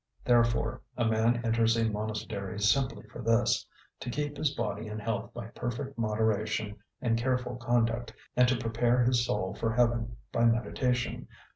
Therefore, a man enters a monastery simply for this: to keep his body in health by perfect moderation and careful conduct, and to prepare his soul for heaven by meditation.